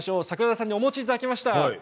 桜田さんにお持ちいただきました。